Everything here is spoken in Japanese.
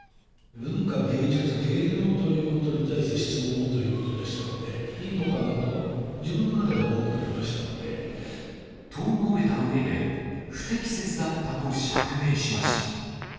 文化、芸術、芸能ということに対して質問をということでしたので、いいのかなと、と述べたうえで、不適切だったと釈明しました。